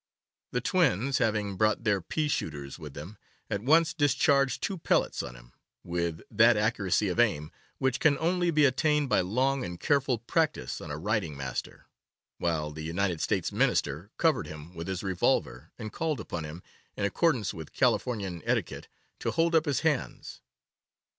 The twins, having brought their pea shooters with them, at once discharged two pellets on him, with that accuracy of aim which can only be attained by long and careful practice on a writing master, while the United States Minister covered him with his revolver, and called upon him, in accordance with Californian etiquette, to hold up his hands!